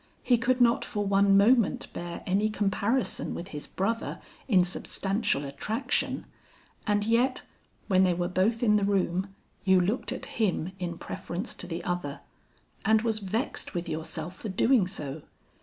He could not for one moment bear any comparison with his brother in substantial attraction, and yet when they were both in the room, you looked at him in preference to the other, and was vexed with yourself for doing so.